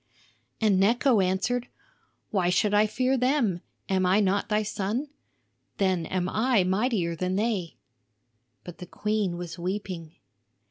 And Necho answered: "Why should I fear them; am I not thy son? Then am I mightier than they." But the queen was weeping.